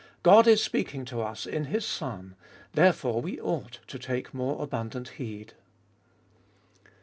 God is speaking to us in His Son, therefore we ought to take more abundant heed.